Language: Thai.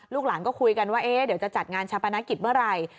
หลานก็คุยกันว่าเดี๋ยวจะจัดงานชาปนกิจเมื่อไหร่